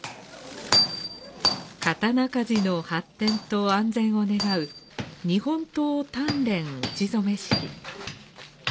刀鍛冶の発展と安全を願う日本刀鍛錬打ち初め式。